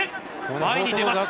前に出ます。